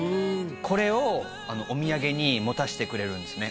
これをおみやげに持たしてくれるんですね